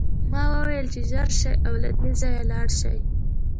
ما وویل چې ژر شئ او له دې ځایه لاړ شئ